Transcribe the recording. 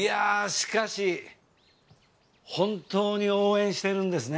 しかし本当に応援してるんですね。